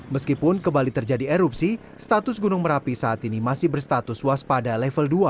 meskipun kembali terjadi erupsi status gunung merapi saat ini masih berstatus waspada level dua